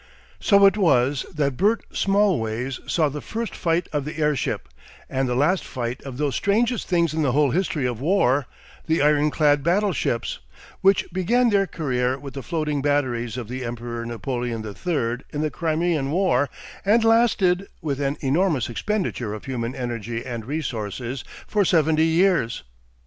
So it was that Bert Smallways saw the first fight of the airship and the last fight of those strangest things in the whole history of war: the ironclad battleships, which began their career with the floating batteries of the Emperor Napoleon III in the Crimean war and lasted, with an enormous expenditure of human energy and resources, for seventy years.